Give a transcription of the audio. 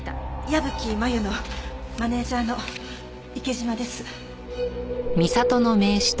矢吹真由のマネージャーの池島です。